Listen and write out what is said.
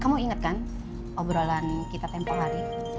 kamu ingat kan obrolan kita tempoh hari